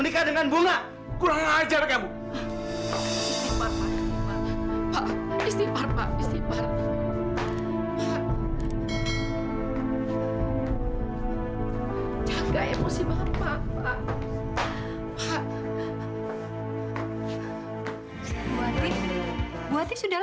kamu harus sadar